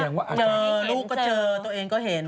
แสดงว่าใครฮืมรูปก็เจอตัวเองก็เห็น